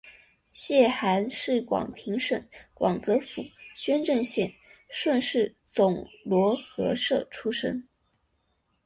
谢涵是广平省广泽府宣政县顺示总罗河社出生。